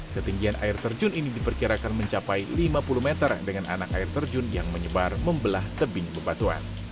ketinggian air terjun ini diperkirakan mencapai lima puluh meter dengan anak air terjun yang menyebar membelah tebing bebatuan